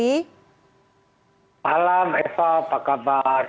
selamat malam eva apa kabar